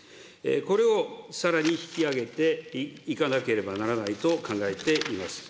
これをさらに引き上げていかなければならないと考えています。